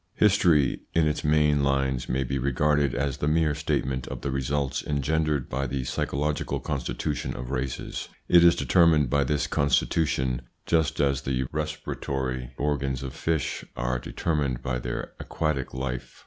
HISTORY in its main lines may be regarded as the mere statement of the results engendered by the psychological constitution of races. It is determined by this constitution, just as the respira 10 129 1 30 THE PSYCHOLOGY OF PEOPLES : tory organs of fish are determined by their aquatic life.